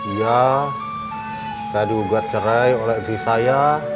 iya saya diugat cerai oleh si saya